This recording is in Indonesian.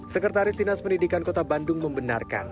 sekretaris dinas pendidikan kota bandung membenarkan